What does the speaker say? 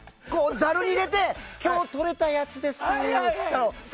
ざるに入れて今日とれたやつですって。